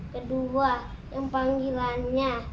kedua yang panggilannya